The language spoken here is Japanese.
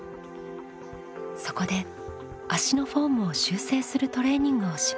そこで足のフォームを修正するトレーニングをします。